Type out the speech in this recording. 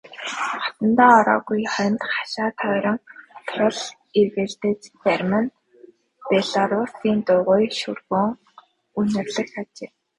Хотондоо ороогүй хоньд хашаа тойрон сул эргэлдэж зарим нь белоруссын дугуй шөргөөн үнэрлэх ажээ.